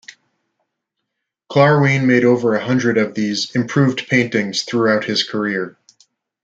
Klarwein made over a hundred of these "improved paintings" throughout his career.